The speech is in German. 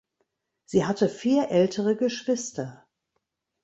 Sie hatte vier ältere Geschwister.